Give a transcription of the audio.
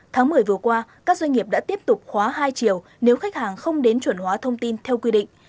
tháng một mươi vừa qua các doanh nghiệp đã tiếp tục khóa hai triệu nếu khách hàng không đến chuẩn hóa thông tin theo quy định